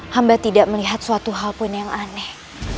hamba tidak melihat suatu hal pun yang aneh